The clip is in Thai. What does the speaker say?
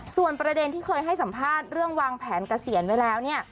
ส่วนประเด็นที่เคยให้สัมภาษณ์เรื่องวางแผนเกษียณไว้แล้วเนี่ย